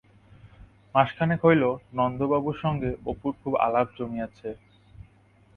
মাসখানেক হইল নন্দবাবুর সঙ্গে অপুর খুব আলাপ জমিয়াছে।